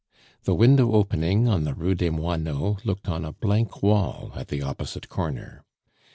The window opening on the Rue des Moineaux looked on a blank wall at the opposite corner.